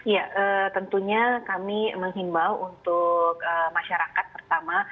ya tentunya kami menghimbau untuk masyarakat pertama